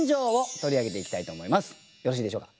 よろしいでしょうか？